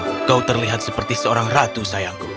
oh kau terlihat seperti seorang ratu sayangku